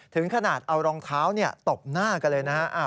ถึงขนาดเอารองเท้าตบหน้ากันเลยนะฮะ